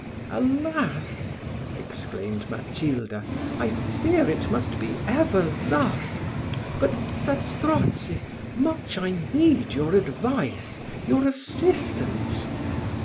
"Alas!" exclaimed Matilda, "I fear it must be ever thus: but, Zastrozzi, much I need your advice your assistance.